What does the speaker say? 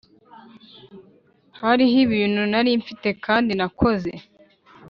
hariho ibintu nari mfite kandi nakoze.